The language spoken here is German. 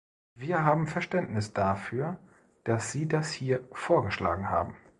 Wir haben Verständnis dafür, dass Sie das hier vorgeschlagen haben.